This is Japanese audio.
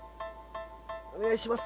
お願いします。